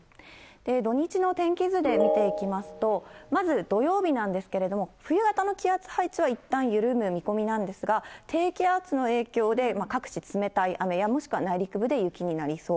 土日の天気図で見ていきますと、まず土曜日なんですけれども、冬型の気圧配置はいったん緩む見込みなんですが、低気圧の影響で、各地冷たい雨やもしくは内陸部で雪になりそう。